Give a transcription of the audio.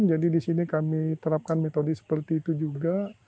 jadi di sini kami terapkan metode seperti itu juga